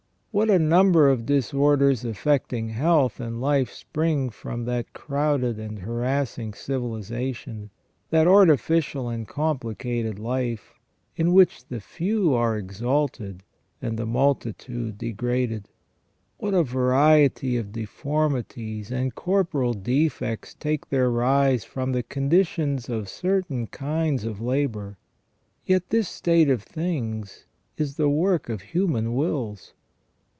What a number of disorders affecting health and life spring from that crowded and harassing civilization, that artificial and complicated life, in which the few are exalted and the multitude degraded. What a variety of deformities and corporal defects take their rise from the conditions of certain kinds of labour. Yet this state of things is the work of human wills.